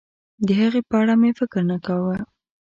د هغې په اړه مې فکر نه کاوه.